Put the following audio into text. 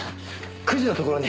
９時のところに。